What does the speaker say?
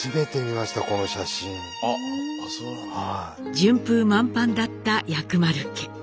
順風満帆だった薬丸家。